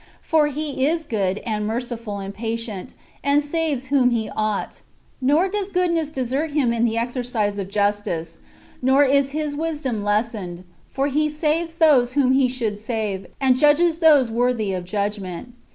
For He is good, and merciful, and patient, and saves whom He ought : nor does goodness desert Him in the exer cise of justice,^ nor is His wisdom lessened ; for He saves those whom He should save, and judges those worthy of judg ment.